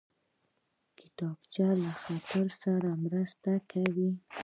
کتابچه له خط سره مرسته کوي